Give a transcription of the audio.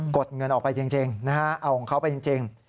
ดเงินออกไปจริงนะฮะเอาของเขาไปจริง